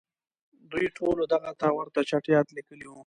دوی ټولو دغه ته ورته چټیاټ لیکلي وو.